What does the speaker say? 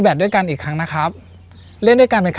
จนถึงวันนี้มาม้ามีเงิน๔ปี